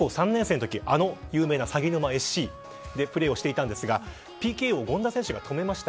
小学校３年生のときあの有名な、さぎぬまＳＣでプレーをしていましたがＰＫを権田選手が止めました。